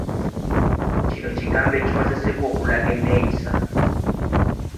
Kino kigambo ekikozesebwa okulaga enneeyisa.